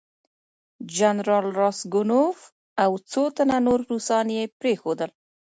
جنرال راسګونوف او څو تنه نور روسان یې پرېښودل.